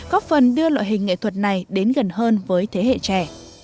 góp phần đưa loại hình nghệ thuật này đến gần hơn với thế hệ trẻ